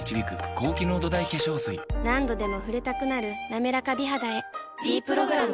何度でも触れたくなる「なめらか美肌」へ「ｄプログラム」